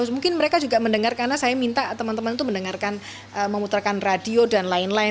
mungkin mereka juga mendengar karena saya minta teman teman itu mendengarkan memutarkan radio dan lain lain